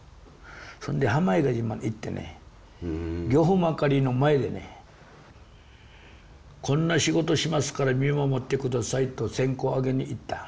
そんで浜比嘉島行ってね「漁夫マカリー」の前でねこんな仕事しますから見守って下さいと線香あげに行った。